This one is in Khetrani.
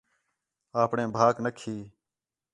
آپݨے بھاک نہ کھی